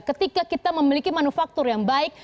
ketika kita memiliki manufaktur yang baik